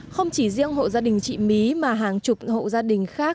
không chỉ riêng hộ gia đình chị mí mà hàng chục hộ gia đình khác